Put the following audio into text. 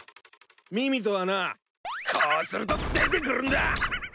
ミミトはなこうすると出てくるんだ。